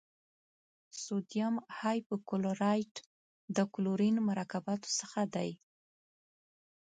سوډیم هایپو کلورایټ د کلورین مرکباتو څخه دی.